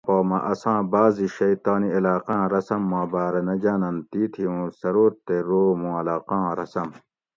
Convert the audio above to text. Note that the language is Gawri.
پرہ دیگیراں پا مہ اساۤں بعضی شئ تانی علاقاۤں رسم ما باۤرہ نہ جاۤننت تیتھی اُوں سرود تے رو مون علاقاں رسم